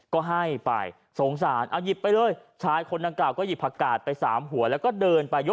ก็ให้ไปสงสารเอาหยิบไปเลย